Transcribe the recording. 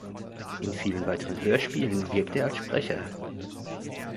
In vielen weiteren Hörspielen wirkt er als Sprecher.